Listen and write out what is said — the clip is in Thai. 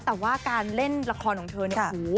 แต่ว่าการเล่นละครของเธอเนี่ยโอ้โห